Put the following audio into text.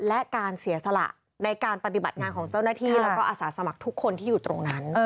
และการเสียสละในการปฏิบัติงานของเจ้าหน้าที่แล้วก็อาสาสมัครทุกคนที่อยู่ตรงนั้น